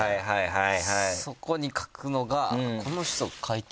はい。